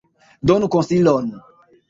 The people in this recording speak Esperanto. Donu konsilon!